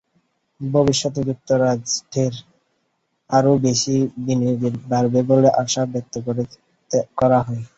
ভবিষ্যতে যুক্তরাষ্ট্রের আরও বেশি বিনিয়োগ বাড়বে বলে আশা ব্যক্ত করা হয়।